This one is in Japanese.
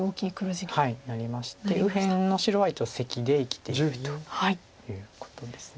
なりまして右辺の白は一応セキで生きているということです。